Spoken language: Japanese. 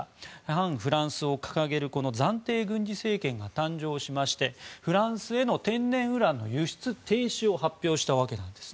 反フランスを掲げる暫定軍事政権が誕生しましてフランスへの天然ウランの輸出停止を発表したわけです。